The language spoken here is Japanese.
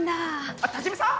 あっ多治見さん